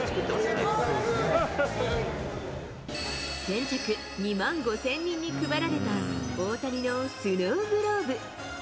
先着２万５０００人に配られた大谷のスノーグローブ。